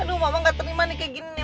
aduh mama gak terima nih kayak gini